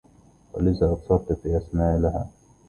ولذا أبصرت في أسمالها